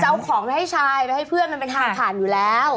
จะเอาของให้ชายให้เพื่อนเป็นทางผ่านอยู่แล้ว